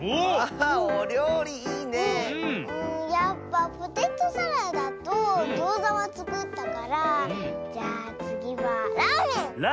うんやっぱポテトサラダとギョーザはつくったからじゃあつぎはラーメン！